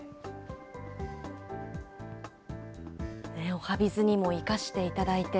おはＢｉｚにも生かしていただいて。